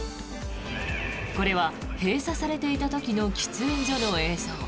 これは閉鎖されていた時の喫煙所の映像。